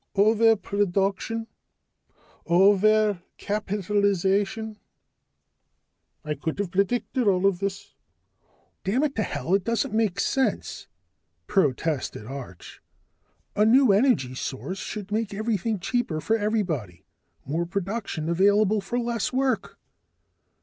"Over production over capitalization I could have predicted all this." "Damn it to hell, it doesn't make sense!" protested Arch. "A new energy source should make everything cheaper for everybody more production available for less work."